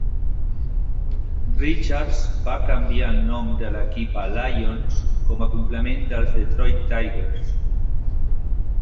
Richards va canviar el nom de l'equip a Lions, com a complement dels Detroit Tigers.